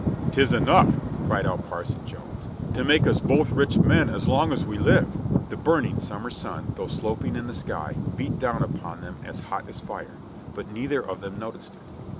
"'Tis enough," cried out Parson Jones, "to make us both rich men as long as we live." The burning summer sun, though sloping in the sky, beat down upon them as hot as fire; but neither of them noticed it.